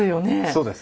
そうです。